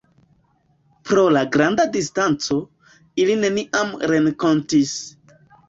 Pro la granda distanco, ili neniam renkontis.